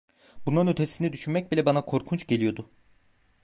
Bundan ötesini düşünmek bile bana korkunç geliyordu.